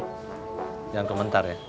jangan kementar ya